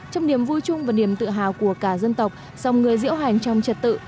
trong niềm vui chung và niềm tự hào của cả dân tộc dòng người diễu hành trong trật tự